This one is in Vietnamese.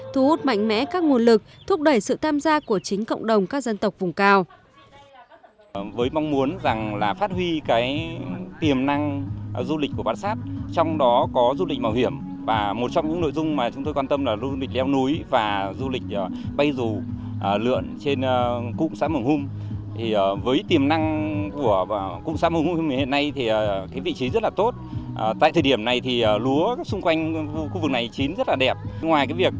thu hút mạnh mẽ các nguồn lực thúc đẩy sự tham gia của chính cộng đồng các dân tộc vùng cao